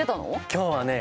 今日はね